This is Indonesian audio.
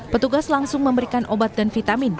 petugas langsung memberikan obat dan vitamin